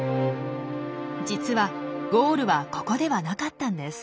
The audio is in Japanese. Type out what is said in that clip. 実はゴールはここではなかったんです。